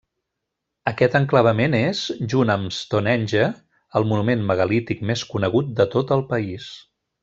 Aquest enclavament és, junt amb Stonehenge, el monument megalític més conegut de tot el país.